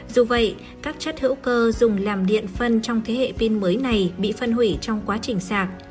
dù vậy các chất hữu cơ dùng làm điện phân trong thế hệ pin mới này bị phân hủy trong quá trình sạc